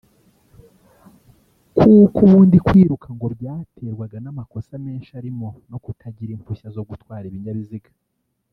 kuko ubundi kwiruka ngo byaterwaga n’amakosa menshi arimo no kutagira impushya zo gutwara ibinyabiziga